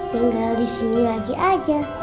tinggal disini lagi aja